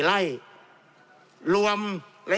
จำนวนเนื้อที่ดินทั้งหมด๑๒๒๐๐๐ไร่